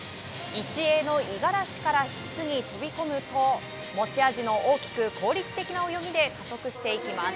１泳の五十嵐から引き継ぎ飛び込むと持ち味の大きく効率的な泳ぎで加速していきます。